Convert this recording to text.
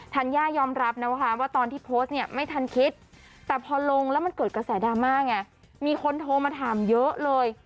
ัญญายอมรับนะว่าตอนที่โพสต์เนี่ยไม่ทันคิดแต่พอลงแล้วมันเกิดกระแสดราม่าไงมีคนโทรมาถามเยอะเลย